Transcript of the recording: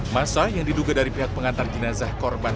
masa yang diduga dari pihak pengantar jenazah korban